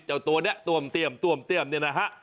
เจ้าตัวนี้ต้วมเตี้ยมต้วมเตี้ยมเนี่ยนะฮะ